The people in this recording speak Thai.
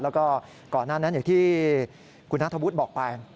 แล้วก็ก่อนหน้านั้นอย่างที่คุณนัทธวุฒิบอกไป